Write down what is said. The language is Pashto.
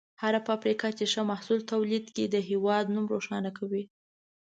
هره فابریکه چې ښه محصول تولید کړي، د هېواد نوم روښانه کوي.